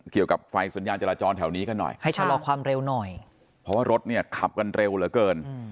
เกี่ยวกับไฟสัญญาณจราจรแถวนี้กันหน่อยให้ชะลอความเร็วหน่อยเพราะว่ารถเนี่ยขับกันเร็วเหลือเกิน